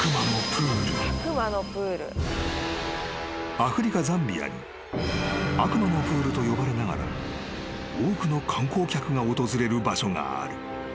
［アフリカザンビアに悪魔のプールと呼ばれながら多くの観光客が訪れる場所がある］